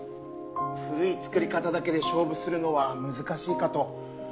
古い造り方だけで勝負するのは難しいかと。